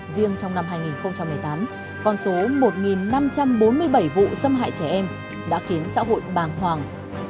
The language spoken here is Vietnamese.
riêng trong năm hai nghìn một mươi tám con số một năm trăm bốn mươi bảy vụ xâm hại trẻ em đã khiến xã hội bàng hoàng